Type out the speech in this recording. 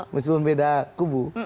meskipun beda kubu